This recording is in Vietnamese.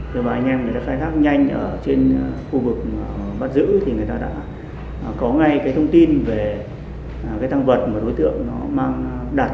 rồi mà anh em người ta khai thác nhanh ở trên khu vực bắt giữ thì người ta đã có ngay cái thông tin về cái tăng vật mà đối tượng nó mang đặt